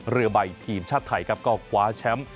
เรือใบทีมชาติไทยครับก็คว้าแชมป์